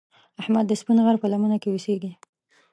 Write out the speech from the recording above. احمد د سپین غر په لمنه کې اوسږي.